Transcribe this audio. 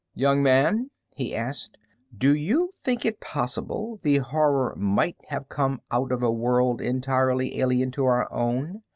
"Young man," he asked, "do you think it possible the Horror might have come out of a world entirely alien to our own?"